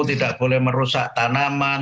tidak boleh merusak tanaman